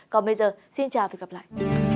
còn bây giờ xin chào và gặp lại